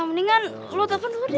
mendingan lo telfon dulu deh ya